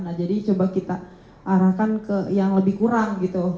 nah jadi coba kita arahkan ke yang lebih kurang gitu